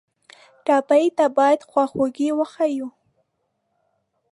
ټپي ته باید خواخوږي وښیو.